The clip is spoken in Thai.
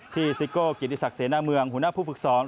ที่ซิโกะกิติศักดิ์เสน่ห์หน้าเมืองหัวหน้าผู้ฝึกสอง